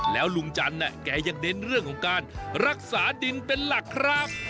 แล้วลุงจันทร์แกยังเน้นเรื่องของการรักษาดินเป็นหลักครับ